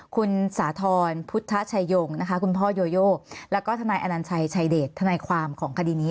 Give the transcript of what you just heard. คุณสาธรณ์พุทธชายงนะคะคุณพ่อโยโยแล้วก็ทนายอนัญชัยชายเดชทนายความของคดีนี้